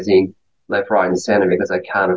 dan kegiatan dokter yang berada di bawah tekanan